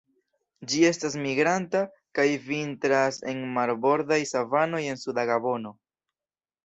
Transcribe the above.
Ĝi estas migranta, kaj vintras en marbordaj savanoj en suda Gabono.